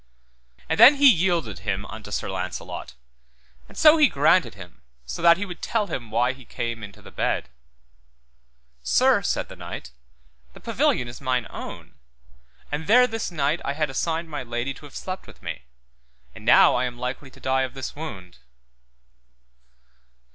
And then he yielded him unto Sir Launcelot, and so he granted him, so that he would tell him why he came into the bed. Sir, said the knight, the pavilion is mine own, and there this night I had assigned my lady to have slept with me, and now I am likely to die of this wound.